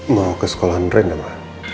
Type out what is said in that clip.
mau ke sekolah rena